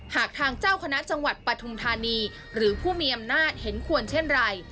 หากทางเจ้าคณะจังหวัดปฐุมธานีหรือผู้มีอำนาจเห็นควรเช่นไร